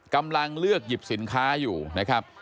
กำลังเลือกหยิบสินค้าอยู่นะครับ